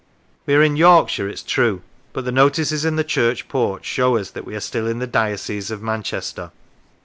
We are in Yorkshire, it is true, but the notices in the church porch show us that we are still in the diocese of Manchester.